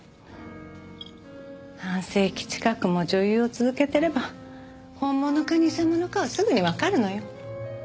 半世紀近くも女優を続けていれば本物か偽物かはすぐにわかるのよ。